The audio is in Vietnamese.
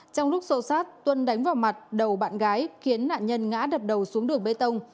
trong lúc sô sát tuân đánh vào mặt đầu bạn gái khiến nạn nhân ngã đập đầu xuống đường bê tông